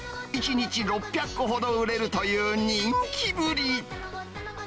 １日６００個ほど売れるという人気ぶり。